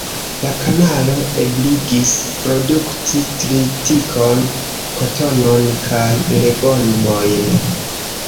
La kanalo ebligis produkti tritikon, kotonon kaj legomojn.